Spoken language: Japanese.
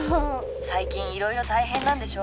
最近いろいろ大変なんでしょ？